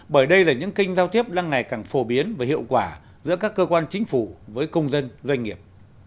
bởi đây là những kênh giao tiếp đang ngày càng phổ biến và hiệu quả giữa các cơ quan chính phủ với công dân doanh nghiệp